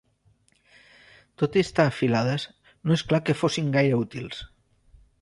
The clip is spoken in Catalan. Tot i estar afilades, no és clar que fossin gaire útils.